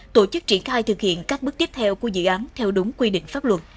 tổ chức triển khai thực hiện các bước tiếp theo của dự án theo đúng quy định pháp luật